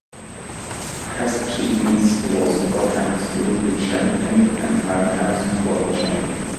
As achievements he was four times European Champion and five times World Champion.